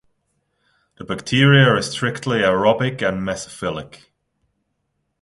The bacteria are strictly aerobic and mesophilic.